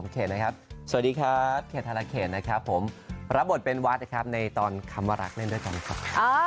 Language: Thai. สวัสดีครับเขตธรรมเขตนะครับผมรับบทเป็นวาดในตอนคำว่ารักเล่นด้วยกันครับ